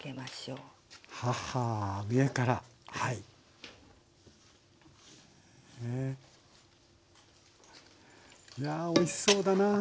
うわおいしそうだなぁ。